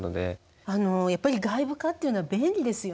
あのやっぱり外部化っていうのは便利ですよね。